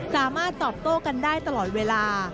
สามารถตอบโต้กันได้ตลอดเวลา